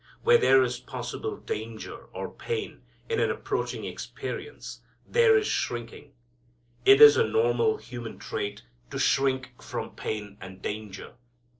Where there is possible danger or pain in an approaching experience there is shrinking. It is a normal human trait to shrink from pain and danger.